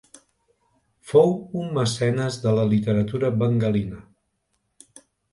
Fou un mecenes de la literatura bengalina.